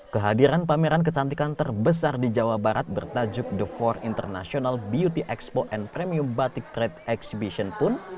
kehadiran pameran kecantikan terbesar di jawa barat bertajuk the empat international beauty expo and premium batik trade exhibition pun